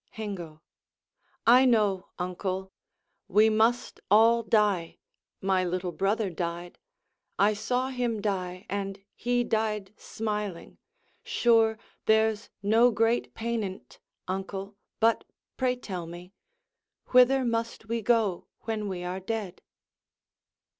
Hengo I know, uncle, We must all die: my little brother died; I saw him die, and he died smiling; sure, There's no great pain in't, uncle. But pray tell me, Whither must we go when we are dead?